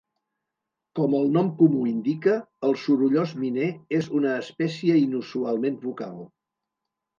Com el nom comú indica, el sorollós miner és una espècie inusualment vocal.